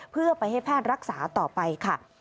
เพื่อไปให้แพทย์รักษาต่อไปค่ะ